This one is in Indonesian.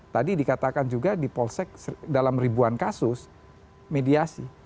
tadi dikatakan juga di polsek dalam ribuan kasus mediasi